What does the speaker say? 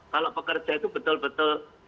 kalau pekerja itu betul betul